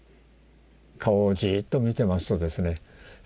顔をじっと見てますとですね